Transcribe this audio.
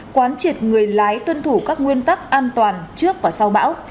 quán triệt người lái tuân thủ các nguyên tắc an toàn trước và sau bão